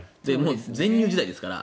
全入時代ですから。